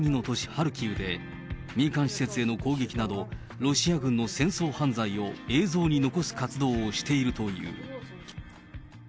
ハルキウで、民間施設への攻撃など、ロシア軍の戦争犯罪を映像に残す活動をしているという。